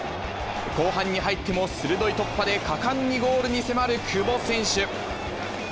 後半に入っても鋭い突破で果敢にゴールに迫る久保選手。